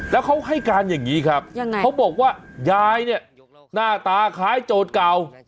แล้วเขาให้การอย่างนี้ครับเขาบอกว่ายายเนี่ยหน้าตาคล้ายโจทย์เก่า